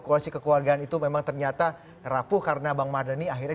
koalisi kekeluargaan itu memang ternyata rapuh karena bang mardhani akhirnya